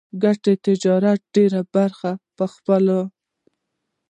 د ګټور تجارت ډېره برخه به خپلوي.